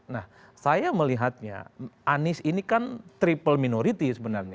nah saya melihatnya anies ini kan triple minority sebenarnya